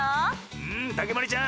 うんたけまりちゃん